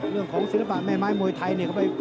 เรื่องของศิลปะแม่ไม้มวยไทย